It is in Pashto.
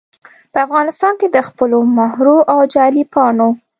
په افغانستان کې دخپلو مهرو او جعلي پاڼو